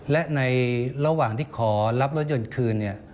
และในระหว่างที่ขอรับรถยนต์คืนเนี่ย